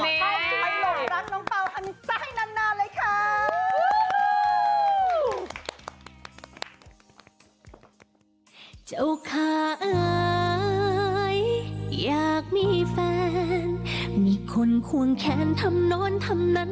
ไปหลบรักน้องเปล่าอันใจนานเลยค่ะ